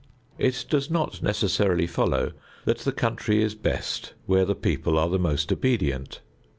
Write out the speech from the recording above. It does not necessarily follow that the country is best where the people are the most obedient.